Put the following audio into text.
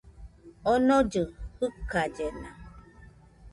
Onollɨ jɨkallena